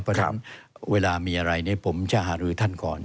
เพราะฉะนั้นเวลามีอะไรผมจะหารือท่านก่อน